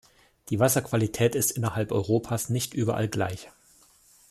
Die Wasserqualität ist innerhalb Europas nicht überall gleich.